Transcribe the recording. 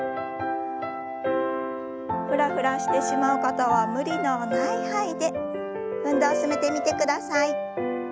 フラフラしてしまう方は無理のない範囲で運動を進めてみてください。